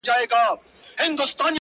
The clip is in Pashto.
• چي تر بیرغ لاندي یې ټول -